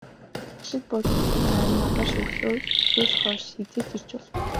Зочид буудалд маань маргааш өглөө есөөс хойш хэзээ ч ирж болно.